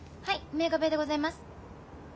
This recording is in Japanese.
梅若部屋でございます。